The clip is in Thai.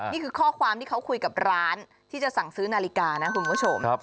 นี่คือข้อความที่เขาคุยกับร้านที่จะสั่งซื้อนาฬิกานะคุณผู้ชม